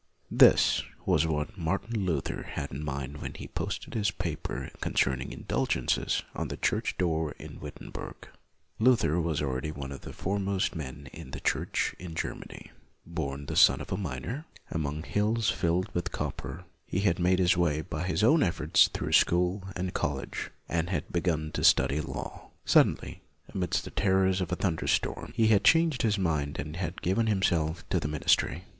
' This was what Martin Luther had in mind when he posted his paper concern ing indulgences on the church door in Wittenberg. Luther was already one of the foremost men in the Church in Germany. Born the son of a miner, among hills filled with 8 LUTHER copper, he had made his way by his own efforts through school and college, and had begun to study law. Suddenly, amidst the terrors of a thunderstorm, he had changed his mind and had given himself to the ministry.